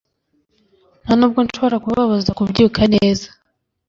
nta nubwo nshobora kubabaza kubyuka neza. '